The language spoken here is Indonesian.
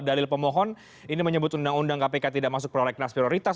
dalil pemohon ini menyebut undang undang kpk tidak masuk prolegnas prioritas